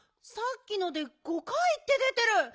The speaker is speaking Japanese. さっきので５かいって出てる。